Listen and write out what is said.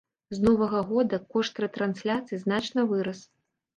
З новага года кошт рэтрансляцыі значна вырас.